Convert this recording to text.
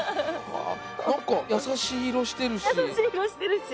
何か優しい色してるし。